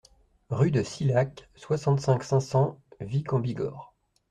Rue de Silhac, soixante-cinq, cinq cents Vic-en-Bigorre